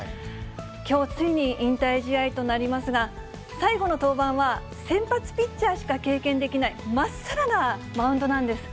きょうついに引退試合となりますが、最後の登板は先発ピッチャーしか経験できない、まっさらなマウンドなんです。